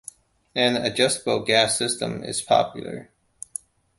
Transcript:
An adjustable gas system is popular.